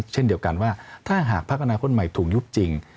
เช่นเดียวกันว่าถ้าหากพักอนาคตใหม่ถูกยุบจริง